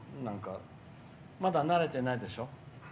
まだ慣れてないでしょ？